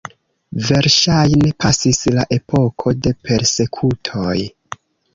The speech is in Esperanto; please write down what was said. Verŝajne pasis la epoko de persekutoj.